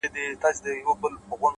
• د دې کښت حاصل قاتل زموږ د ځان دی ,